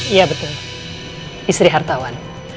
iya betul istri hartawan